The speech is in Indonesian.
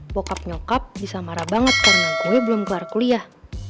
bokap nyokap bisa marah banget karena gue belum keluar kuliah